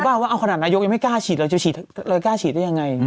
ว่าเอาขนาดนายกยังไม่กล้าฉีดเราจะฉีดเรากล้าฉีดได้ยังไง